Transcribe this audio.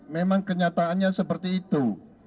memang kenyataannya seperti itu